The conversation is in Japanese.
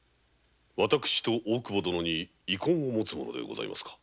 私と大久保殿に遺恨を持つ者でございますか？